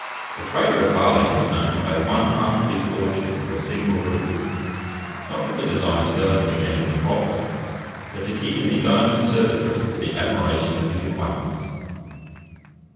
A trader at Harlaem was known to pay one half of his fortune for a single root, not with the design of selling it again at a profit, but to keep in his own conservatory for the admiration of his acquaintance.